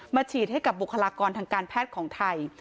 ฉีดให้กับบุคลากรทางการแพทย์ของไทย